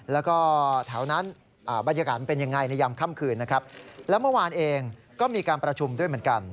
และเมื่อวานเองก็มีการประชุมด้วยเหมือนกัน